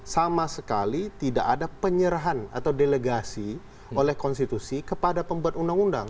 sama sekali tidak ada penyerahan atau delegasi oleh konstitusi kepada pembuat undang undang